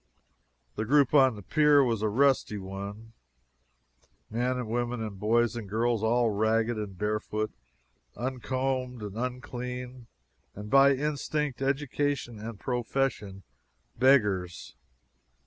The group on the pier was a rusty one men and women, and boys and girls, all ragged and barefoot, uncombed and unclean, and by instinct, education, and profession beggars.